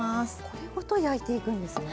これごと焼いていくんですね。